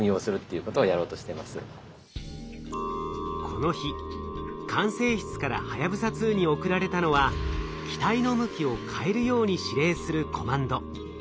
この日管制室からはやぶさ２に送られたのは機体の向きを変えるように指令するコマンド。